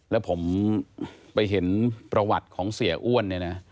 แล้วผมไปเห็นประวัติของเสียอ้วนเนี่ยนะ